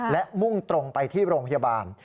และมุ่งตรงไปที่โรงพยาบาล